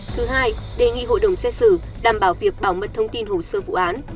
thứ hai đề nghị hội đồng xét xử đảm bảo việc bảo mật thông tin hồ sơ vụ án